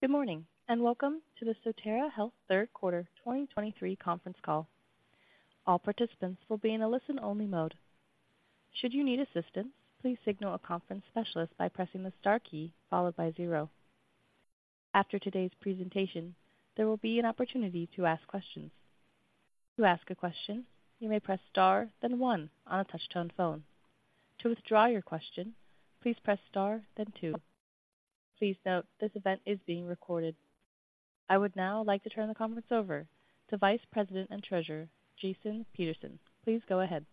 Good morning, and welcome to the Sotera Health Third Quarter 2023 Conference Call. All participants will be in a listen-only mode. Should you need assistance, please signal a conference specialist by pressing the star key followed by zero. After today's presentation, there will be an opportunity to ask questions. To ask a question, you may press star, then one on a touch-tone phone. To withdraw your question, please press star, then two. Please note, this event is being recorded. I would now like to turn the conference over to Vice President and Treasurer, Jason Peterson. Please go ahead.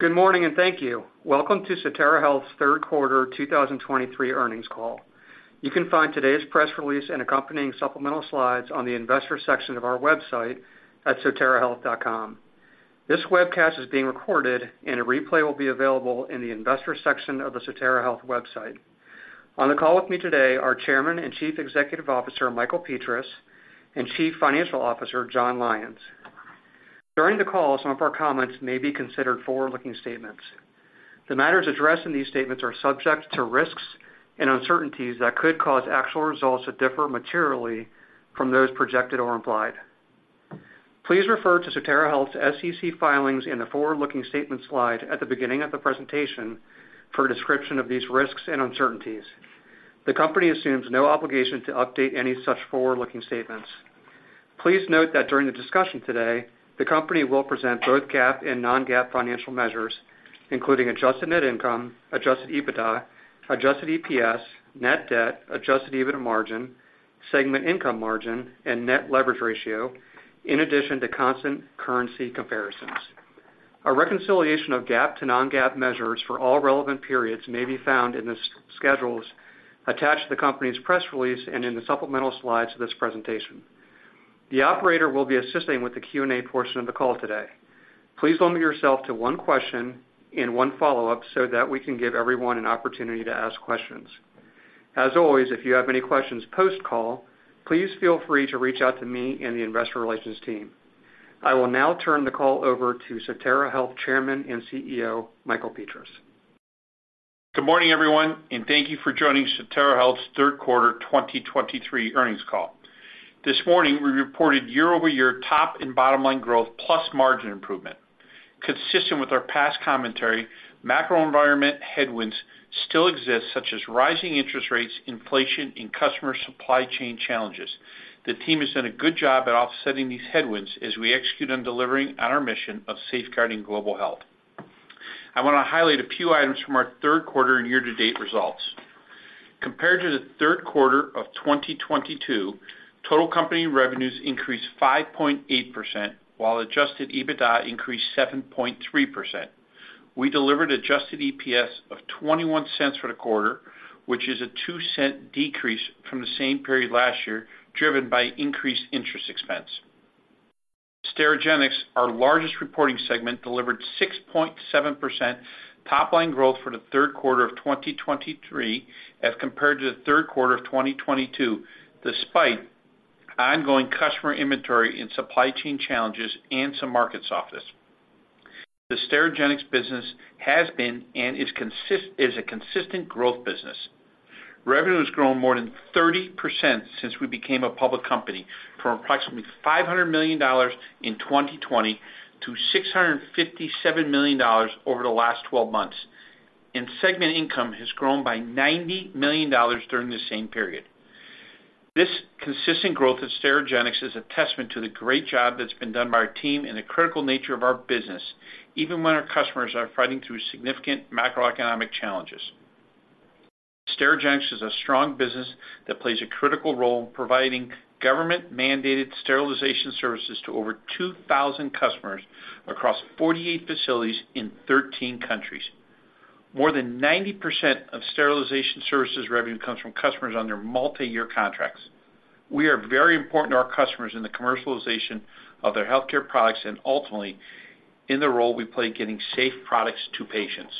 Good morning, and thank you. Welcome to Sotera Health's third quarter 2023 earnings call. You can find today's press release and accompanying supplemental slides on the investor section of our website at soterahealth.com. This webcast is being recorded, and a replay will be available in the investor section of the Sotera Health website. On the call with me today are Chairman and Chief Executive Officer, Michael Petras, and Chief Financial Officer, Jon Lyons. During the call, some of our comments may be considered forward-looking statements. The matters addressed in these statements are subject to risks and uncertainties that could cause actual results to differ materially from those projected or implied. Please refer to Sotera Health's SEC filings in the forward-looking statement slide at the beginning of the presentation for a description of these risks and uncertainties. The company assumes no obligation to update any such forward-looking statements. Please note that during the discussion today, the company will present both GAAP and non-GAAP financial measures, including adjusted net income, Adjusted EBITDA, adjusted EPS, net debt, Adjusted EBITDA margin, segment income margin, and net leverage ratio, in addition to constant currency comparisons. A reconciliation of GAAP to non-GAAP measures for all relevant periods may be found in the schedules attached to the company's press release and in the supplemental slides of this presentation. The operator will be assisting with the Q&A portion of the call today. Please limit yourself to one question and one follow-up so that we can give everyone an opportunity to ask questions. As always, if you have any questions post-call, please feel free to reach out to me and the investor relations team. I will now turn the call over to Sotera Health Chairman and CEO, Michael Petras. Good morning, everyone, and thank you for joining Sotera Health's Third Quarter 2023 earnings call. This morning, we reported year-over-year top and bottom line growth, plus margin improvement. Consistent with our past commentary, macro environment headwinds still exist, such as rising interest rates, inflation, and customer supply chain challenges. The team has done a good job at offsetting these headwinds as we execute on delivering on our mission of safeguarding global health. I want to highlight a few items from our third quarter and year-to-date results. Compared to the third quarter of 2022, total company revenues increased 5.8%, while Adjusted EBITDA increased 7.3%. We delivered adjusted EPS of $0.21 for the quarter, which is a $0.02 decrease from the same period last year, driven by increased interest expense. Sterigenics, our largest reporting segment, delivered 6.7% top-line growth for the third quarter of 2023 as compared to the third quarter of 2022, despite ongoing customer inventory and supply chain challenges and some market softness. The Sterigenics business has been and is a consistent growth business. Revenue has grown more than 30% since we became a public company, from approximately $500 million in 2020 to $657 million over the last 12 months, and segment income has grown by $90 million during the same period. This consistent growth of Sterigenics is a testament to the great job that's been done by our team and the critical nature of our business, even when our customers are fighting through significant macroeconomic challenges. Sterigenics is a strong business that plays a critical role in providing government-mandated sterilization services to over 2,000 customers across 48 facilities in 13 countries. More than 90% of sterilization services revenue comes from customers under multiyear contracts. We are very important to our customers in the commercialization of their healthcare products and ultimately in the role we play getting safe products to patients.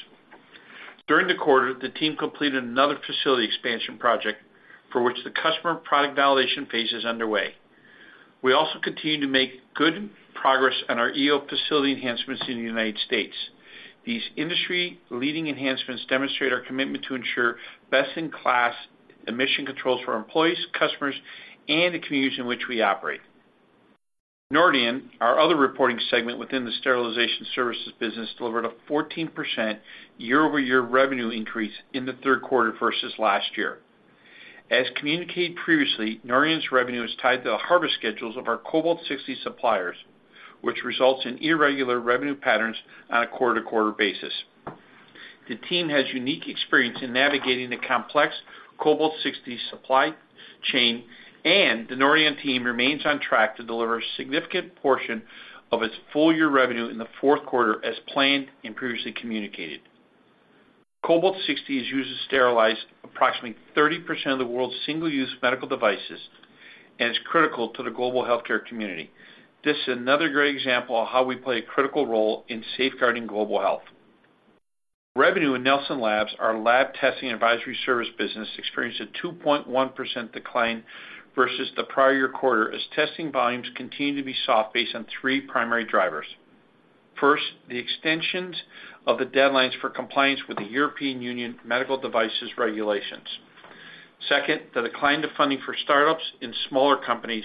During the quarter, the team completed another facility expansion project for which the customer product validation phase is underway. We also continue to make good progress on our EO facility enhancements in the United States. These industry-leading enhancements demonstrate our commitment to ensure best-in-class emission controls for our employees, customers, and the communities in which we operate. Nordion, our other reporting segment within the sterilization services business, delivered a 14% year-over-year revenue increase in the third quarter versus last year. As communicated previously, Nordion's revenue is tied to the harvest schedules of our Cobalt-60 suppliers, which results in irregular revenue patterns on a quarter-to-quarter basis. The team has unique experience in navigating the complex Cobalt-60 supply chain, and the Nordion team remains on track to deliver a significant portion of its full year revenue in the fourth quarter as planned and previously communicated. Cobalt-60 is used to sterilize approximately 30% of the world's single-use medical devices and is critical to the global healthcare community. This is another great example of how we play a critical role in safeguarding global health. Revenue in Nelson Labs, our lab testing advisory service business, experienced a 2.1% decline versus the prior year quarter, as testing volumes continue to be soft based on three primary drivers:... First, the extensions of the deadlines for compliance with the European Union Medical Devices Regulations. Second, the decline of funding for startups in smaller companies.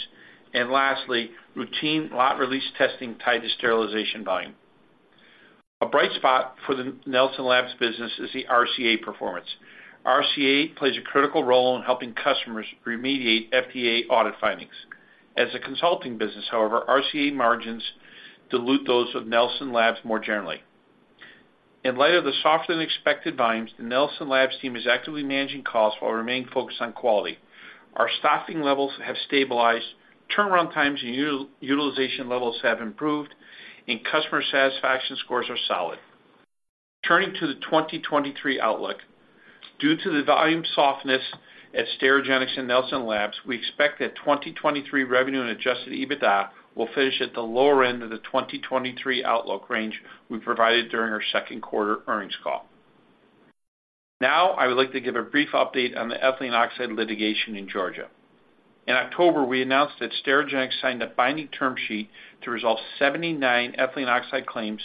Lastly, routine Lot Release Testing tied to sterilization volume. A bright spot for the Nelson Labs business is the RCA performance. RCA plays a critical role in helping customers remediate FDA audit findings. As a consulting business, however, RCA margins dilute those of Nelson Labs more generally. In light of the softer-than-expected volumes, the Nelson Labs team is actively managing costs while remaining focused on quality. Our staffing levels have stabilized, turnaround times and utilization levels have improved, and customer satisfaction scores are solid. Turning to the 2023 outlook. Due to the volume softness at Sterigenics and Nelson Labs, we expect that 2023 revenue and Adjusted EBITDA will finish at the lower end of the 2023 outlook range we provided during our second quarter earnings call. Now, I would like to give a brief update on the ethylene oxide litigation in Georgia. In October, we announced that Sterigenics signed a binding term sheet to resolve 79 ethylene oxide claims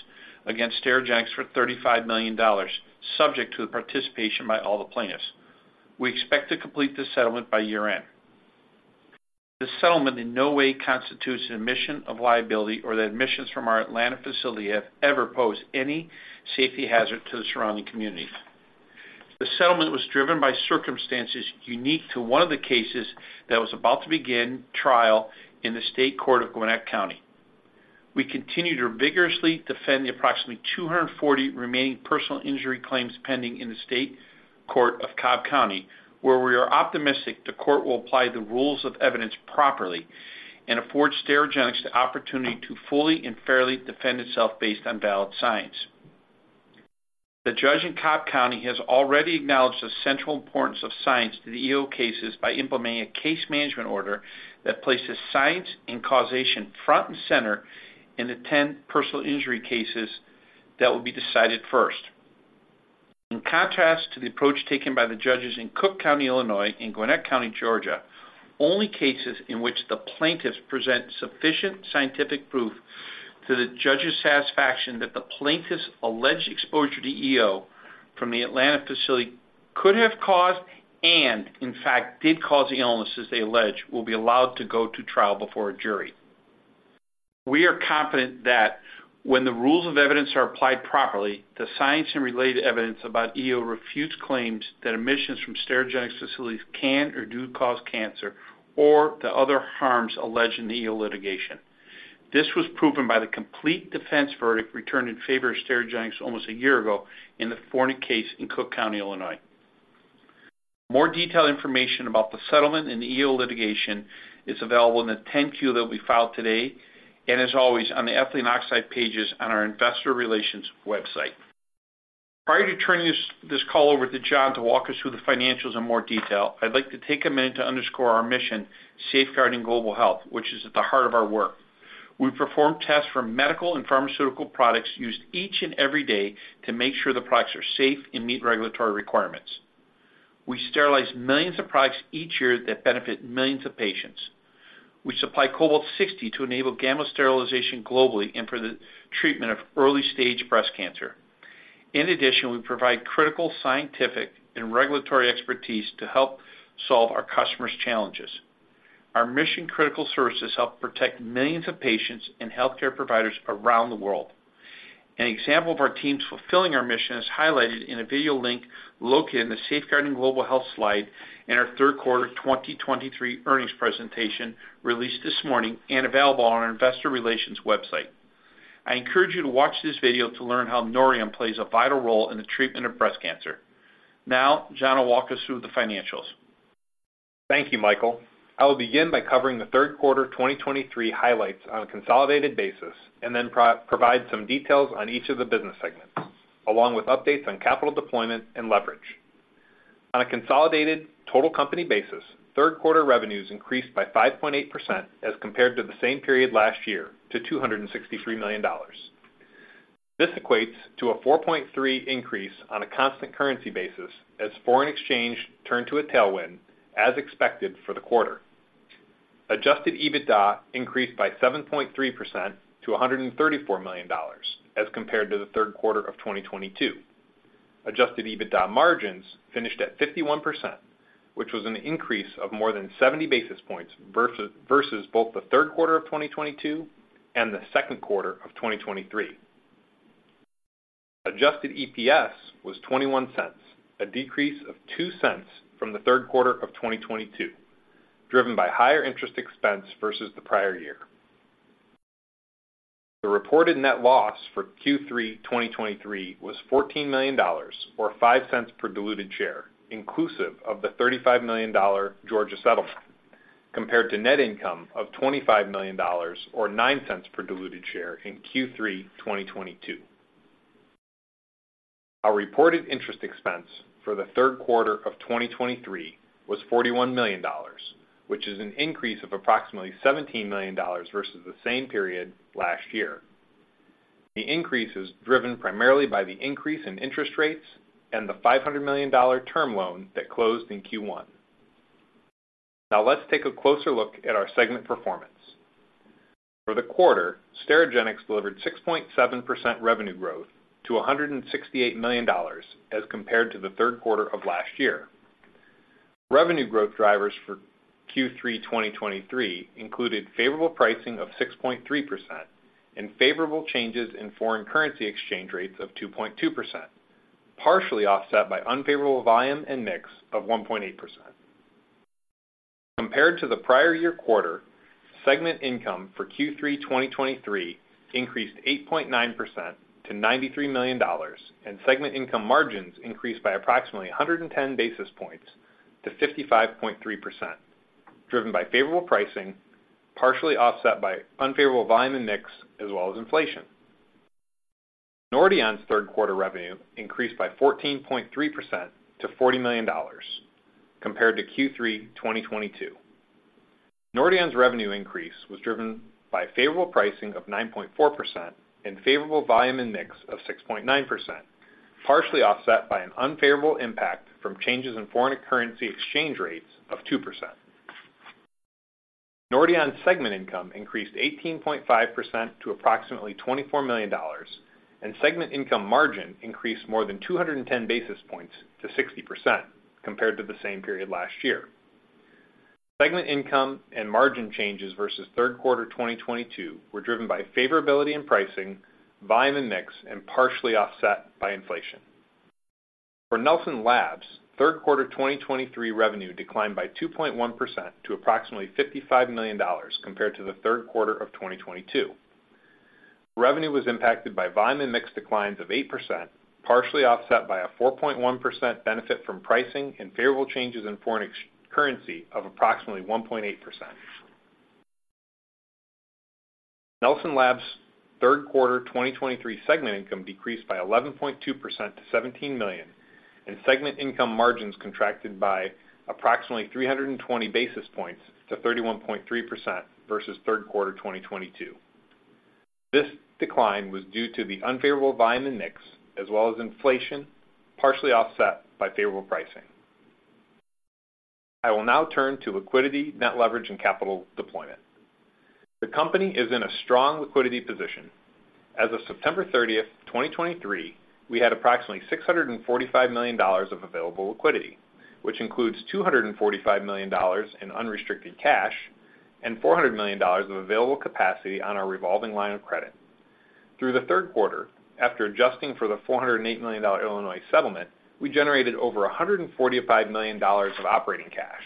against Sterigenics for $35 million, subject to the participation by all the plaintiffs. We expect to complete this settlement by year-end. This settlement in no way constitutes an admission of liability or that emissions from our Atlanta facility have ever posed any safety hazard to the surrounding community. The settlement was driven by circumstances unique to one of the cases that was about to begin trial in the State Court of Gwinnett County. We continue to vigorously defend the approximately 240 remaining personal injury claims pending in the State Court of Cobb County, where we are optimistic the court will apply the rules of evidence properly and afford Sterigenics the opportunity to fully and fairly defend itself based on valid science. The judge in Cobb County has already acknowledged the central importance of science to the EO cases by implementing a case management order that places science and causation front and center in the 10 personal injury cases that will be decided first. In contrast to the approach taken by the judges in Cook County, Illinois, and Gwinnett County, Georgia, only cases in which the plaintiffs present sufficient scientific proof to the judge's satisfaction that the plaintiffs' alleged exposure to EO from the Atlanta facility could have caused, and in fact, did cause the illnesses they allege, will be allowed to go to trial before a jury. We are confident that when the rules of evidence are applied properly, the science and related evidence about EO refutes claims that emissions from Sterigenics facilities can or do cause cancer, or the other harms alleged in the EO litigation. This was proven by the complete defense verdict returned in favor of Sterigenics almost a year ago in the Forni case in Cook County, Illinois. More detailed information about the settlement and the EO litigation is available in the 10-Q that we filed today, and as always, on the ethylene oxide pages on our investor relations website. Prior to turning this call over to Jon to walk us through the financials in more detail, I'd like to take a minute to underscore our mission: safeguarding global health, which is at the heart of our work. We perform tests for medical and pharmaceutical products used each and every day to make sure the products are safe and meet regulatory requirements. We sterilize millions of products each year that benefit millions of patients. We supply Cobalt-60 to enable gamma sterilization globally and for the treatment of early-stage breast cancer. In addition, we provide critical scientific and regulatory expertise to help solve our customers' challenges. Our mission-critical services help protect millions of patients and healthcare providers around the world. An example of our teams fulfilling our mission is highlighted in a video link located in the Safeguarding Global Health slide in our third quarter 2023 earnings presentation, released this morning and available on our investor relations website. I encourage you to watch this video to learn how Nordion plays a vital role in the treatment of breast cancer. Now, Jon will walk us through the financials. Thank you, Michael. I will begin by covering the third quarter 2023 highlights on a consolidated basis, and then provide some details on each of the business segments, along with updates on capital deployment and leverage. On a consolidated total company basis, third quarter revenues increased by 5.8% as compared to the same period last year, to $263 million. This equates to a 4.3% increase on a constant currency basis, as foreign exchange turned to a tailwind, as expected for the quarter. Adjusted EBITDA increased by 7.3% to $134 million, as compared to the third quarter of 2022. Adjusted EBITDA margins finished at 51%, which was an increase of more than 70 basis points versus both the third quarter of 2022 and the second quarter of 2023. Adjusted EPS was $0.21, a decrease of $0.02 from the third quarter of 2022, driven by higher interest expense versus the prior year. The reported net loss for Q3 2023 was $14 million, or $0.05 per diluted share, inclusive of the $35 million Georgia settlement, compared to net income of $25 million, or $0.09 per diluted share in Q3 2022. Our reported interest expense for the third quarter of 2023 was $41 million, which is an increase of approximately $17 million versus the same period last year. The increase is driven primarily by the increase in interest rates and the $500 million term loan that closed in Q1.... Now let's take a closer look at our segment performance. For the quarter, Sterigenics delivered 6.7% revenue growth to $168 million as compared to the third quarter of last year. Revenue growth drivers for Q3 2023 included favorable pricing of 6.3% and favorable changes in foreign currency exchange rates of 2.2%, partially offset by unfavorable volume and mix of 1.8%. Compared to the prior year quarter, segment income for Q3 2023 increased 8.9% to $93 million, and segment income margins increased by approximately 110 basis points to 55.3%, driven by favorable pricing, partially offset by unfavorable volume and mix, as well as inflation. Nordion's third quarter revenue increased by 14.3% to $40 million compared to Q3 2022. Nordion's revenue increase was driven by favorable pricing of 9.4% and favorable volume and mix of 6.9%, partially offset by an unfavorable impact from changes in foreign currency exchange rates of 2%. Nordion's segment income increased 18.5% to approximately $24 million, and segment income margin increased more than 210 basis points to 60%, compared to the same period last year. Segment income and margin changes versus third quarter 2022 were driven by favorability in pricing, volume, and mix, and partially offset by inflation. For Nelson Labs, third quarter 2023 revenue declined by 2.1% to approximately $55 million compared to the third quarter of 2022. Revenue was impacted by volume and mix declines of 8%, partially offset by a 4.1% benefit from pricing and favorable changes in foreign exchange currency of approximately 1.8%. Nelson Labs' third quarter 2023 segment income decreased by 11.2% to $17 million, and segment income margins contracted by approximately 320 basis points to 31.3% versus third quarter 2022. This decline was due to the unfavorable volume and mix, as well as inflation, partially offset by favorable pricing. I will now turn to liquidity, net leverage, and capital deployment. The company is in a strong liquidity position. As of September 30, 2023, we had approximately $645 million of available liquidity, which includes $245 million in unrestricted cash and $400 million of available capacity on our revolving line of credit. Through the third quarter, after adjusting for the $408 million Illinois settlement, we generated over $145 million of operating cash.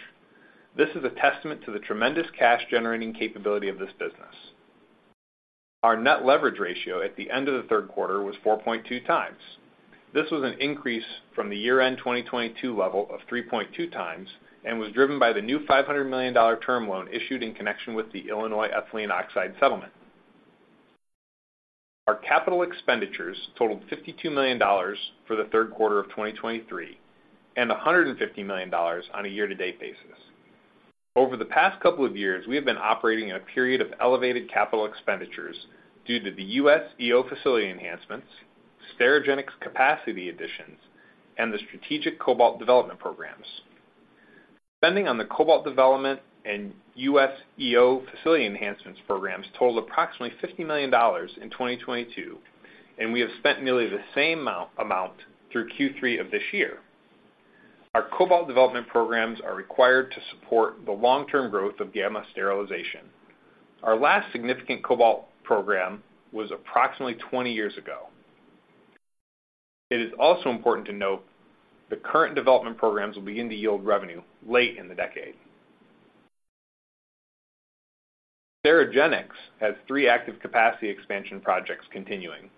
This is a testament to the tremendous cash-generating capability of this business. Our net leverage ratio at the end of the third quarter was 4.2x. This was an increase from the year-end 2022 level of 3.2x and was driven by the new $500 million term loan issued in connection with the Illinois ethylene oxide settlement. Our capital expenditures totaled $52 million for the third quarter of 2023, and $150 million on a year-to-date basis. Over the past couple of years, we have been operating in a period of elevated capital expenditures due to the U.S. EO facility enhancements, Sterigenics capacity additions, and the strategic cobalt development programs. Spending on the cobalt development and U.S. EO facility enhancements programs totaled approximately $50 million in 2022, and we have spent nearly the same amount through Q3 of this year. Our cobalt development programs are required to support the long-term growth of gamma sterilization. Our last significant cobalt program was approximately 20 years ago. It is also important to note the current development programs will begin to yield revenue late in the decade. Sterigenics has three active capacity expansion projects continuing.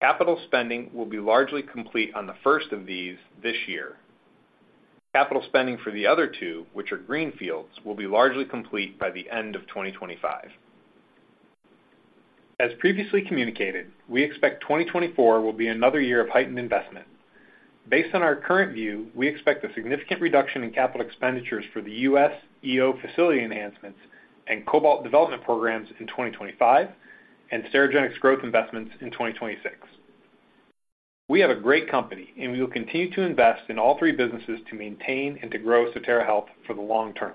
Capital spending will be largely complete on the first of these this year. Capital spending for the other two, which are greenfields, will be largely complete by the end of 2025. As previously communicated, we expect 2024 will be another year of heightened investment. Based on our current view, we expect a significant reduction in capital expenditures for the U.S. EO facility enhancements and cobalt development programs in 2025, and Sterigenics growth investments in 2026. We have a great company, and we will continue to invest in all three businesses to maintain and to grow Sotera Health for the long term.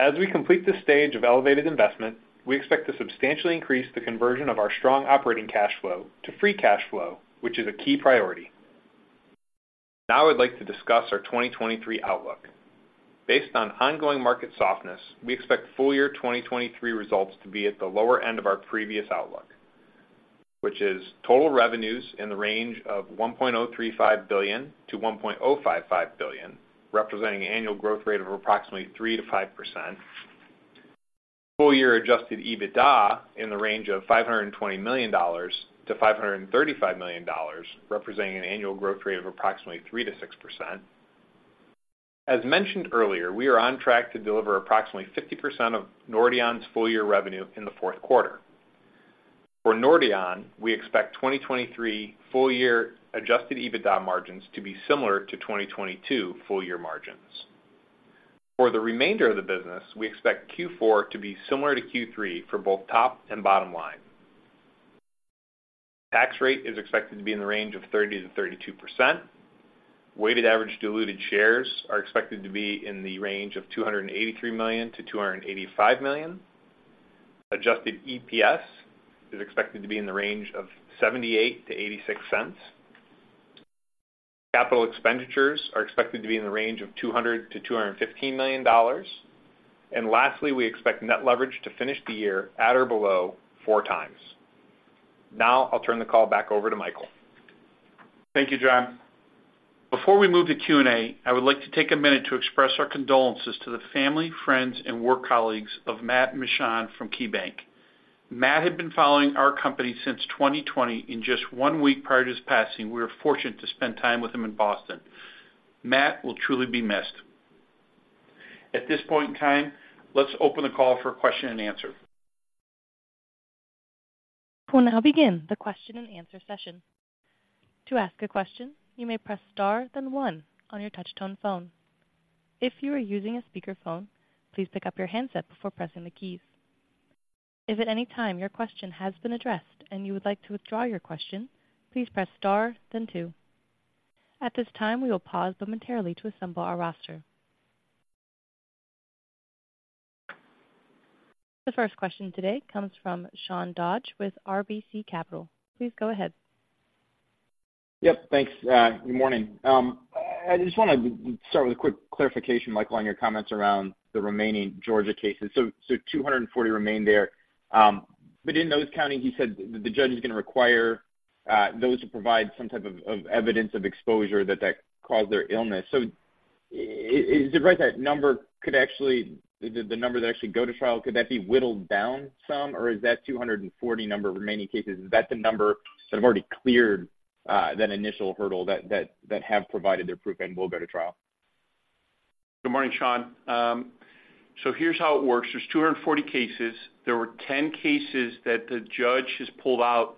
As we complete this stage of elevated investment, we expect to substantially increase the conversion of our strong operating cash flow to free cash flow, which is a key priority. Now I'd like to discuss our 2023 outlook. Based on ongoing market softness, we expect full-year 2023 results to be at the lower end of our previous outlook, which is total revenues in the range of $1.035 billion-$1.055 billion, representing an annual growth rate of approximately 3%-5%. Full-year Adjusted EBITDA in the range of $520 million-$535 million, representing an annual growth rate of approximately 3%-6%. As mentioned earlier, we are on track to deliver approximately 50% of Nordion's full-year revenue in the fourth quarter. For Nordion, we expect 2023 full-year Adjusted EBITDA margins to be similar to 2022 full-year margins. For the remainder of the business, we expect Q4 to be similar to Q3 for both top and bottom line. Tax rate is expected to be in the range of 30%-32%. Weighted average diluted shares are expected to be in the range of $283 million-$285 million. Adjusted EPS is expected to be in the range of $0.78-$0.86. Capital expenditures are expected to be in the range of $200 million-$215 million. Lastly, we expect net leverage to finish the year at or below 4x. Now, I'll turn the call back over to Michael. Thank you, Jon. Before we move to Q&A, I would like to take a minute to express our condolences to the family, friends, and work colleagues of Matt Mishan from KeyBanc. Matt had been following our company since 2020. In just one week prior to his passing, we were fortunate to spend time with him in Boston. Matt will truly be missed. At this point in time, let's open the call for question and answer. We'll now begin the question and answer session. To ask a question, you may press star, then one on your touch tone phone. If you are using a speakerphone, please pick up your handset before pressing the keys. If at any time your question has been addressed and you would like to withdraw your question, please press star, then two. At this time, we will pause momentarily to assemble our roster. The first question today comes from Sean Dodge with RBC Capital Markets. Please go ahead. Yep, thanks, good morning. I just wanna start with a quick clarification, Michael, on your comments around the remaining Georgia cases. So, 240 remain there. But in those counties, you said the judge is gonna require those who provide some type of evidence of exposure that caused their illness. So is it right that number could actually the number that actually go to trial, could that be whittled down some, or is that 240 number of remaining cases, is that the number that have already cleared that initial hurdle that have provided their proof and will go to trial? Good morning, Sean. So here's how it works: there's 240 cases. There were 10 cases that the judge has pulled out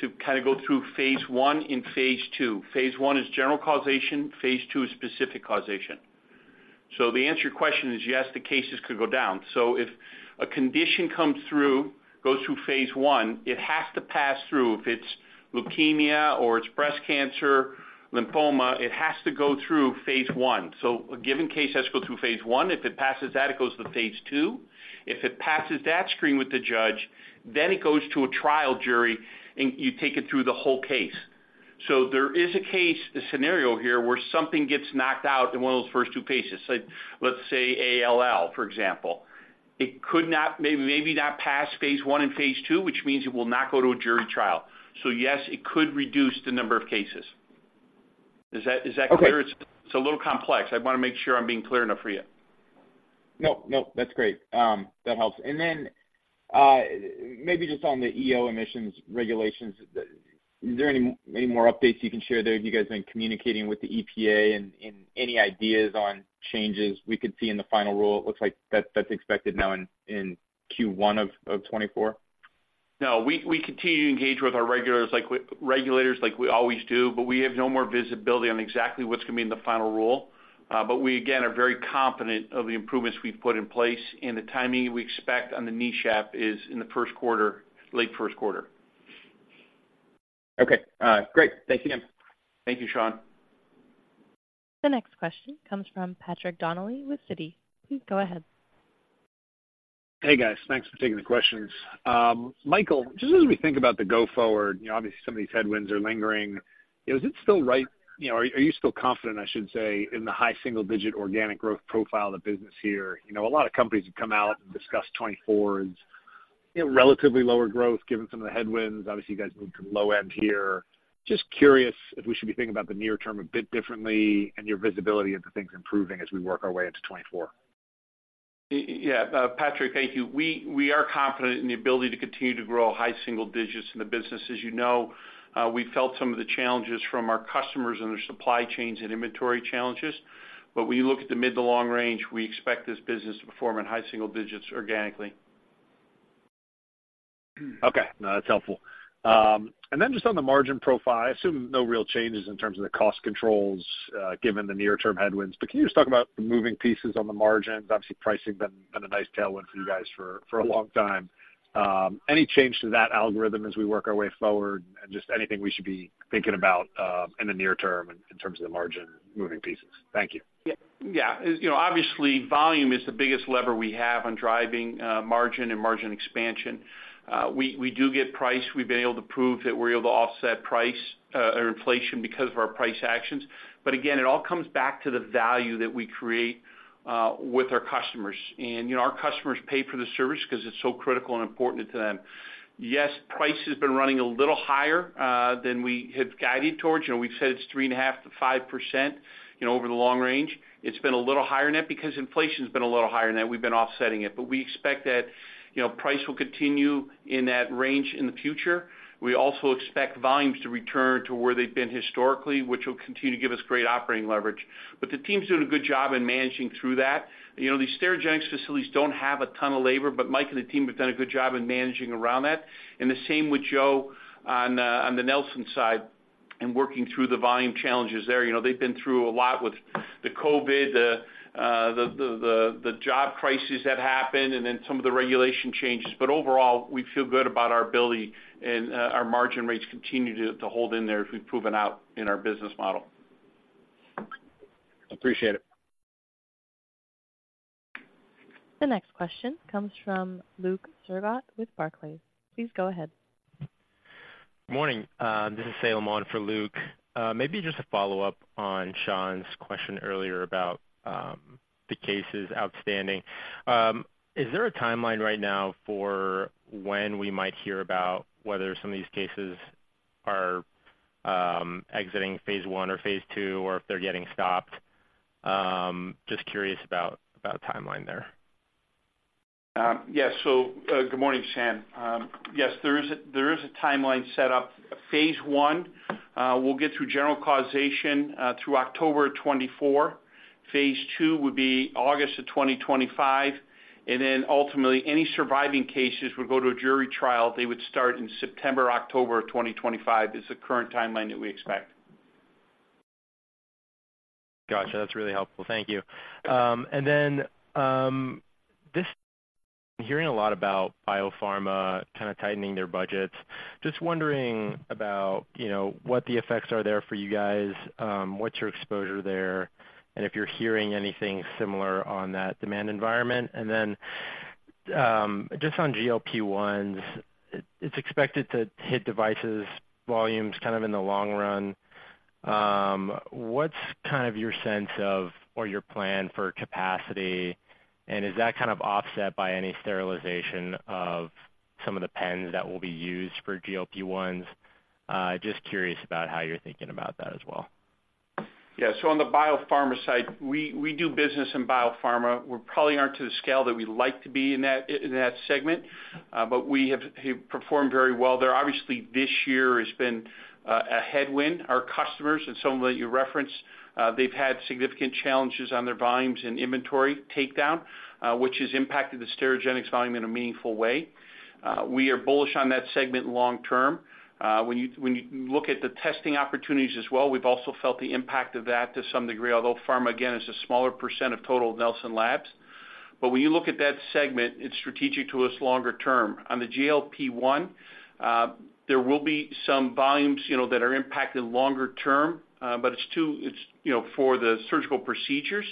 to kind of go through Phase I and Phase II. Phase I is general causation, Phase II is specific causation. So the answer to your question is yes, the cases could go down. So if a condition comes through, goes through Phase I, it has to pass through. If it's Leukemia or it's Breast Cancer, Lymphoma, it has to go through Phase I. So a given case has to go through Phase I. If it passes that, it goes to Phase II. If it passes that screen with the judge, then it goes to a trial jury, and you take it through the whole case. So there is a case, a scenario here, where something gets knocked out in one of those first 2 phases. So let's say all, for example, it could not maybe, maybe not pass Phase I and Phase II, which means it will not go to a jury trial. So yes, it could reduce the number of cases. Is that, is that clear? Okay. It's a little complex. I wanna make sure I'm being clear enough for you. No, no, that's great. That helps. And then, maybe just on the EO emissions regulations, is there any more updates you can share there? Have you guys been communicating with the EPA and any ideas on changes we could see in the final rule? It looks like that's expected now in Q1 of 2024. No, we continue to engage with our regulators, like we always do, but we have no more visibility on exactly what's going to be in the final rule. But we again are very confident of the improvements we've put in place, and the timing we expect on the NESHAP is in the first quarter, late first quarter. Okay, great. Thanks again. Thank you, Sean. The next question comes from Patrick Donnelly with Citi. Please go ahead. Hey, guys. Thanks for taking the questions. Michael, just as we think about the go forward, you know, obviously, some of these headwinds are lingering. Is it still right, you know, are you still confident, I should say, in the high single-digit organic growth profile of the business here? You know, a lot of companies have come out and discussed 2024 as, you know, relatively lower growth, given some of the headwinds. Obviously, you guys moved to the low end here. Just curious if we should be thinking about the near term a bit differently and your visibility into things improving as we work our way into 2024. Yeah, Patrick, thank you. We are confident in the ability to continue to grow high single digits in the business. As you know, we felt some of the challenges from our customers and their supply chains and inventory challenges. But when you look at the mid to long range, we expect this business to perform in high single digits organically. Okay, no, that's helpful. And then just on the margin profile, I assume no real changes in terms of the cost controls, given the near-term headwinds. But can you just talk about the moving pieces on the margins? Obviously, pricing been a nice tailwind for you guys for a long time. Any change to that algorithm as we work our way forward and just anything we should be thinking about in the near term in terms of the margin moving pieces? Thank you. Yeah, yeah. You know, obviously, volume is the biggest lever we have on driving, margin and margin expansion. We do get price. We've been able to prove that we're able to offset price, or inflation because of our price actions. But again, it all comes back to the value that we create, with our customers. And, you know, our customers pay for the service because it's so critical and important to them. Yes, price has been running a little higher, than we had guided towards. You know, we've said it's 3.5%-5%, you know, over the long range. It's been a little higher than that because inflation has been a little higher than that. We've been offsetting it, but we expect that, you know, price will continue in that range in the future. We also expect volumes to return to where they've been historically, which will continue to give us great operating leverage. But the team's doing a good job in managing through that. You know, the Sterigenics facilities don't have a ton of labor, but Mike and the team have done a good job in managing around that, and the same with Joe on the Nelson side and working through the volume challenges there. You know, they've been through a lot with the COVID, the job crises that happened, and then some of the regulation changes. But overall, we feel good about our ability, and our margin rates continue to hold in there as we've proven out in our business model. Appreciate it. The next question comes from Luke Sergott with Barclays. Please go ahead. Morning, this is Salomon for Luke. Maybe just a follow-up on Sean's question earlier about the cases outstanding. Is there a timeline right now for when we might hear about whether some of these cases are exiting Phase I or Phase II, or if they're getting stopped? Just curious about a timeline there. Yes. So, good morning, Sam. Yes, there is a timeline set up. Phase I, we'll get through General Causation, through October of 2024. Phase II would be August of 2025, and then ultimately, any surviving cases would go to a jury trial. They would start in September or October of 2025, is the current timeline that we expect. Gotcha. That's really helpful. Thank you. And then, hearing a lot about biopharma kind of tightening their budgets. Just wondering about, you know, what the effects are there for you guys, what's your exposure there, and if you're hearing anything similar on that demand environment? And then, just on GLP-1s, it's expected to hit devices, volumes, kind of in the long run. What's kind of your sense of or your plan for capacity, and is that kind of offset by any sterilization of some of the pens that will be used for GLP-1s? Just curious about how you're thinking about that as well. Yeah. So on the biopharma side, we do business in biopharma. We probably aren't to the scale that we'd like to be in that segment, but we have performed very well there. Obviously, this year has been a headwind. Our customers, and some that you referenced, they've had significant challenges on their volumes and inventory takedown, which has impacted the Sterigenics volume in a meaningful way. We are bullish on that segment long term. When you look at the testing opportunities as well, we've also felt the impact of that to some degree, although pharma, again, is a smaller percent of total Nelson Labs. But when you look at that segment, it's strategic to us longer term. On the GLP-1, there will be some volumes, you know, that are impacted longer term, but it's, you know, for the surgical procedures.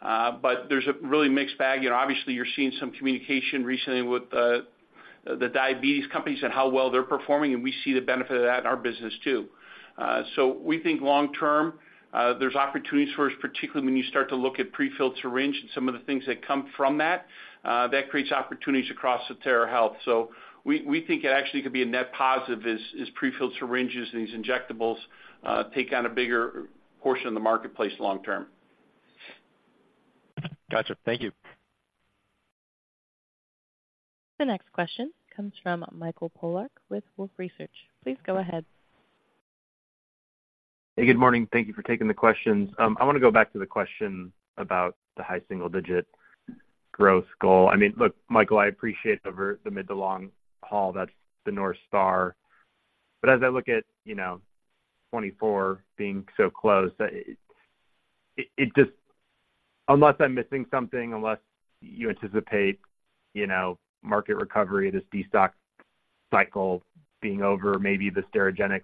But there's a really mixed bag. You know, obviously, you're seeing some communication recently with the diabetes companies and how well they're performing, and we see the benefit of that in our business, too. So we think long term, there's opportunities for us, particularly when you start to look at prefilled syringe and some of the things that come from that, that creates opportunities across Sotera Health. So we, we think it actually could be a net positive as, as prefilled syringes and these injectables take on a bigger portion of the marketplace long term. Gotcha. Thank you. The next question comes from Mike Polark with Wolfe Research. Please go ahead. Hey, good morning. Thank you for taking the questions. I want to go back to the question about the high single digit growth goal. I mean, look, Michael, I appreciate over the mid to long haul, that's the North Star. But as I look at, you know, 2024 being so close, it, it just—unless I'm missing something, unless you anticipate, you know, market recovery, this destock cycle being over, maybe the Sterigenics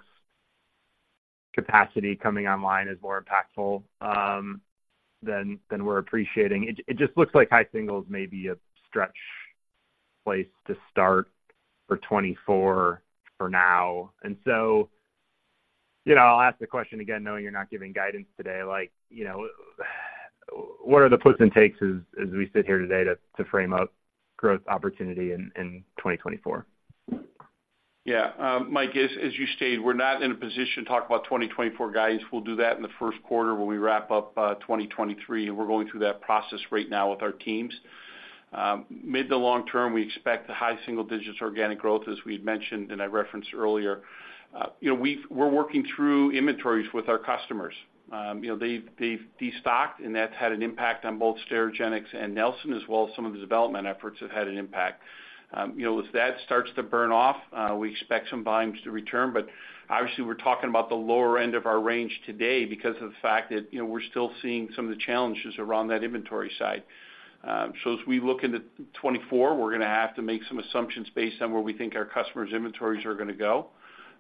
capacity coming online is more impactful, than, than we're appreciating. It, it just looks like high singles may be a stretch place to start for 2024 for now. And so, you know, I'll ask the question again, knowing you're not giving guidance today, like, you know, what are the puts and takes as, as we sit here today to, to frame up growth opportunity in, in 2024? Yeah. Mike, as you stated, we're not in a position to talk about 2024 guidance. We'll do that in the first quarter when we wrap up 2023, and we're going through that process right now with our teams. Mid to long term, we expect the high single digits organic growth, as we'd mentioned, and I referenced earlier. You know, we're working through inventories with our customers. You know, they've destocked, and that's had an impact on both Sterigenics and Nelson, as well as some of the development efforts have had an impact. You know, as that starts to burn off, we expect some volumes to return, but obviously, we're talking about the lower end of our range today because of the fact that, you know, we're still seeing some of the challenges around that inventory side. So as we look into 2024, we're going to have to make some assumptions based on where we think our customers' inventories are going to go.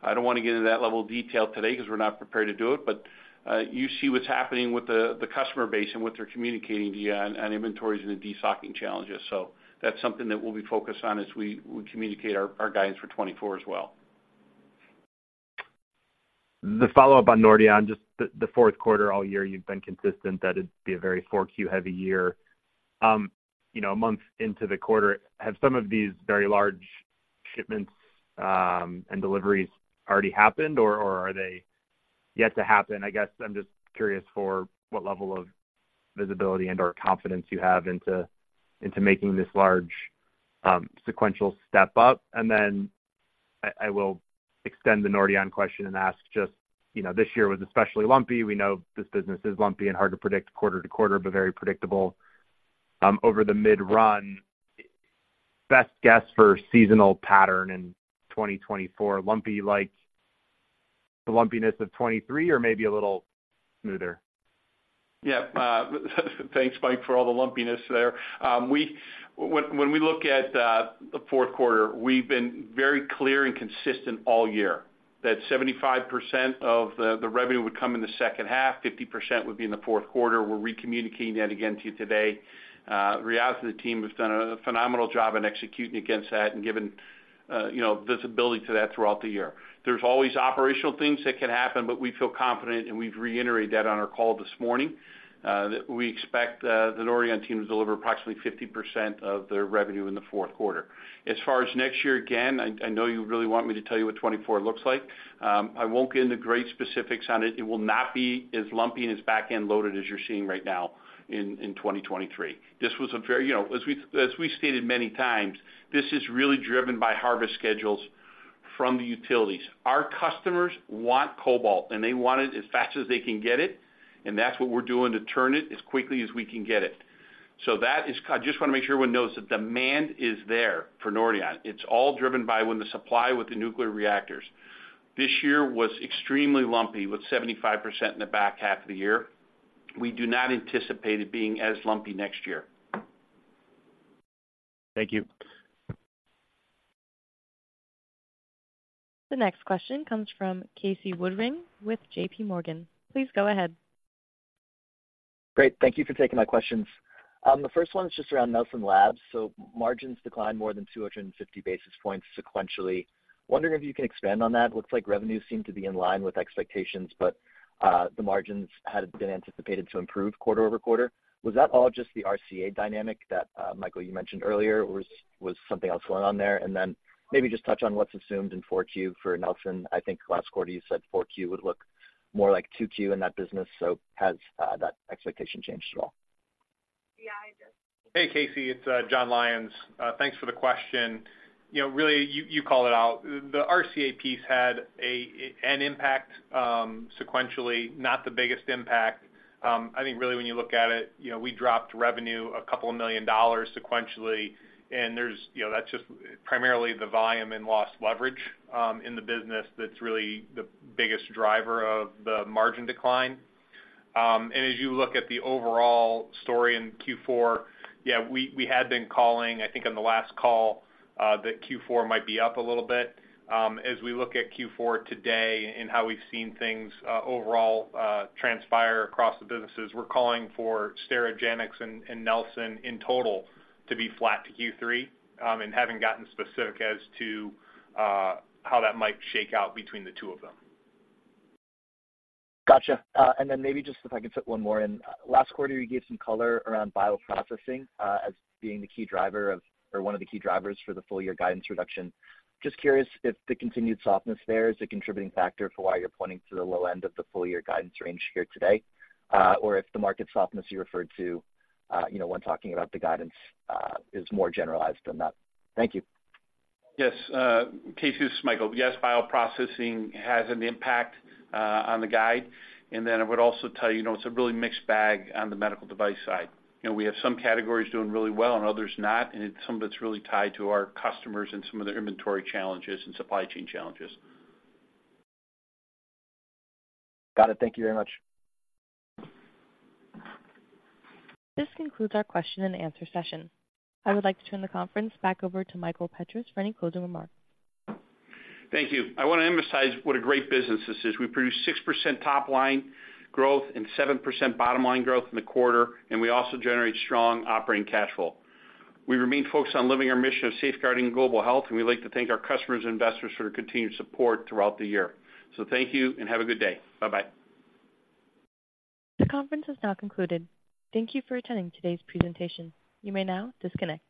I don't want to get into that level of detail today because we're not prepared to do it, but you see what's happening with the, the customer base and what they're communicating to you on, on inventories and the destocking challenges. So that's something that we'll be focused on as we, we communicate our, our guidance for 2024 as well. The follow-up on Nordion, just the fourth quarter, all year, you've been consistent that it'd be a very Q4 heavy year. You know, a month into the quarter, have some of these very large shipments and deliveries already happened, or are they yet to happen? I guess I'm just curious for what level of visibility and/or confidence you have into making this large sequential step up. And then I will extend the Nordion question and ask just, you know, this year was especially lumpy. We know this business is lumpy and hard to predict quarter to quarter, but very predictable over the mid-run.... best guess for seasonal pattern in 2024, lumpy like the lumpiness of 2023 or maybe a little smoother? Yeah, thanks, Mike, for all the lumpiness there. When, when we look at the fourth quarter, we've been very clear and consistent all year, that 75% of the revenue would come in the second half, 50% would be in the fourth quarter. We're recommunicating that again to you today. The reality of the team has done a phenomenal job in executing against that and giving, you know, visibility to that throughout the year. There's always operational things that can happen, but we feel confident, and we've reiterated that on our call this morning, that we expect the Nordion team to deliver approximately 50% of their revenue in the fourth quarter. As far as next year, again, I know you really want me to tell you what 2024 looks like. I won't get into great specifics on it. It will not be as lumpy and as back-end loaded as you're seeing right now in, in 2023. This was a very, you know, as we, as we stated many times, this is really driven by harvest schedules from the utilities. Our customers want cobalt, and they want it as fast as they can get it, and that's what we're doing to turn it as quickly as we can get it. So that is-- I just wanna make sure everyone knows the demand is there for Nordion. It's all driven by when the supply with the nuclear reactors. This year was extremely lumpy, with 75% in the back half of the year. We do not anticipate it being as lumpy next year. Thank you. The next question comes from Casey Woodring with JPMorgan. Please go ahead. Great, thank you for taking my questions. The first one is just around Nelson Labs. So margins declined more than 250 basis points sequentially. Wondering if you can expand on that. Looks like revenues seem to be in line with expectations, but the margins had been anticipated to improve quarter-over-quarter. Was that all just the RCA dynamic that Michael, you mentioned earlier, or was something else going on there? And then maybe just touch on what's assumed in 4Q for Nelson. I think last quarter you said 4Q would look more like 2Q in that business, so has that expectation changed at all? Yeah, I just... Hey, Casey, it's Jon Lyons. Thanks for the question. You know, really, you called it out. The RCA piece had an impact sequentially, not the biggest impact. I think really when you look at it, you know, we dropped revenue $2 million sequentially, and there's, you know, that's just primarily the volume and loss leverage in the business that's really the biggest driver of the margin decline. And as you look at the overall story in Q4, yeah, we had been calling, I think, on the last call, that Q4 might be up a little bit. As we look at Q4 today and how we've seen things overall transpire across the businesses, we're calling for Sterigenics and Nelson in total to be flat to Q3, and haven't gotten specific as to how that might shake out between the two of them. Gotcha. And then maybe just if I can fit one more in. Last quarter, you gave some color around bioprocessing, as being the key driver of, or one of the key drivers for the full year guidance reduction. Just curious if the continued softness there is a contributing factor for why you're pointing to the low end of the full year guidance range here today, or if the market softness you referred to, you know, when talking about the guidance, is more generalized than that. Thank you. Yes, Casey, this is Michael. Yes, bioprocessing has an impact on the guide, and then I would also tell you, you know, it's a really mixed bag on the medical device side. You know, we have some categories doing really well and others not, and some of it's really tied to our customers and some of their inventory challenges and supply chain challenges. Got it. Thank you very much. This concludes our question-and-answer session. I would like to turn the conference back over to Michael Petras for any closing remarks. Thank you. I wanna emphasize what a great business this is. We produced 6% top line growth and 7% bottom line growth in the quarter, and we also generated strong operating cash flow. We remain focused on living our mission of safeguarding global health, and we'd like to thank our customers and investors for their continued support throughout the year. So thank you, and have a good day. Bye-bye. The conference is now concluded. Thank you for attending today's presentation. You may now disconnect.